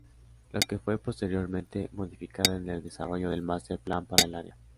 La que fue posteriormente modificada en el desarrollo del master plan para el área.